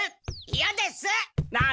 いやです！何！？